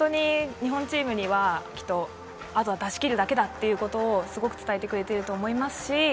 日本チームにはきっとあとは出し切るだけだっていうことをすごく伝えてくれてると思います。